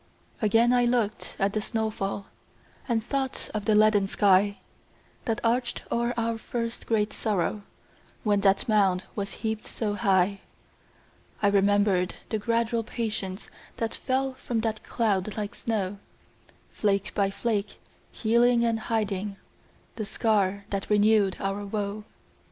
Again I looked at the snow fall, And thought of the leaden sky That arched o'er our first great sorrow, When that mound was heaped so high. I remembered the gradual patience That fell from that cloud like snow, Flake by flake, healing and hiding The scar that renewed our woe.